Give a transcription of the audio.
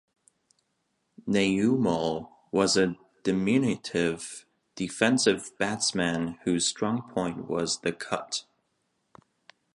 Naoomal was a diminutive, defensive batsman whose strong point was the cut.